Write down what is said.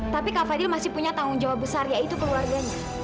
tapi kak fadil masih punya tanggung jawab besar yaitu keluarganya